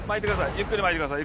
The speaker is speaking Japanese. ゆっくり巻いてください。